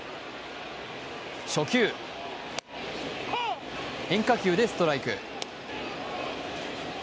初球、変化球でストライク。